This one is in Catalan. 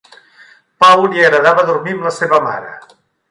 Pau li agradava dormir amb la seva mare.